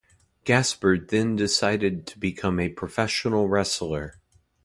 Gaspard then decided to become a professional wrestler.